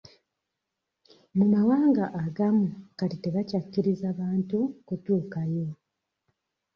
Mu mawanga agamu kati tebakyakkiriza bantu kutuukayo.